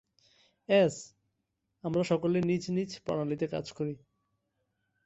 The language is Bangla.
এস, আমরা সকলে নিজ নিজ প্রণালীতে কাজ করি।